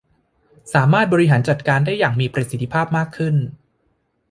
สามารถบริหารจัดการได้อย่างมีประสิทธิภาพมากขึ้น